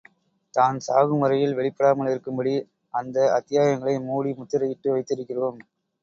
தான் சாகும் வரையில் வெளிப்படாமல் இருக்கும்படி அந்த அத்தியாயங்களை மூடி முத்திரையிட்டு வைத்திருக்கிறோம்.